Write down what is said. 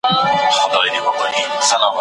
تاسو بايد د مطالعې له لاري خپل فکري ثبات پيدا کړئ.